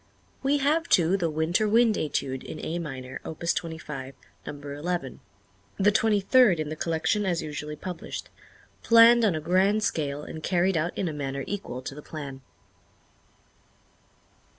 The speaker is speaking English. We have, too, the "Winter Wind Étude," in A minor, Opus 25, number eleven the twenty third in the collection as usually published planned on a grand scale and carried out in a manner equal to the plan.